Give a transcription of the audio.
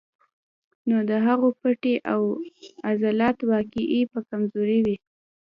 نو د هغو پټې او عضلات واقعي چې کمزوري وي